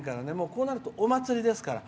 こうなるとお祭りですから。